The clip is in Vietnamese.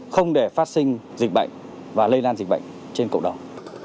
không để phát sinh dịch bệnh và lây lan dịch bệnh trên cộng đồng